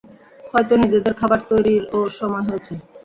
হয়তো নিজেদের খাবার তৈরিরও সময় হয়েছে।